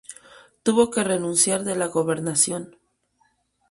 Tuvo que renunciar de la Gobernación.